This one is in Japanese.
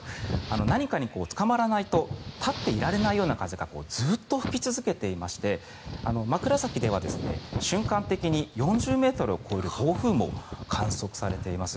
何かにつかまらないと立っていられないような風がずっと吹き続けていまして枕崎では瞬間的に４０ｍを超える暴風も観測されています。